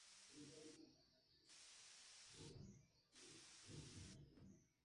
উচ্চ বিদ্যালয়টি মাধ্যমিক ও উচ্চ মাধ্যমিক শিক্ষা বোর্ড, ঢাকার অধিভূক্ত একটি শিক্ষাপ্রতিষ্ঠান।